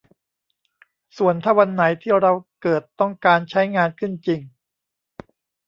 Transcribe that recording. ส่วนถ้าวันไหนที่เราเกิดต้องการใช้งานขึ้นจริง